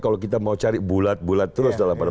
kalau kita mau cari bulat bulat terus dalam